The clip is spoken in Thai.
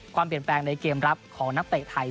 ความเปลี่ยนแปลงในเกมรับของนักเตะไทย